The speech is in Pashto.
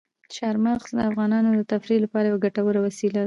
چار مغز د افغانانو د تفریح لپاره یوه ګټوره وسیله ده.